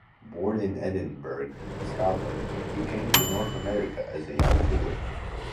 Born in Edinburgh, Scotland, he came to North America as a young boy.